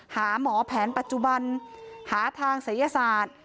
หาหมอแผนปัจจุบันหาทางศัยศาสตร์